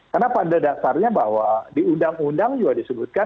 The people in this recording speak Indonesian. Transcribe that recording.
karena pada dasarnya bahwa di undang undang juga disebutkan